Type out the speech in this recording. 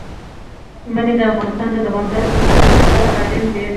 منی د افغانستان د دوامداره پرمختګ لپاره اړین دي.